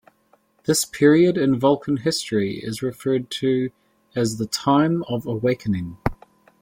This period in Vulcan history is referred to as the "Time of Awakening".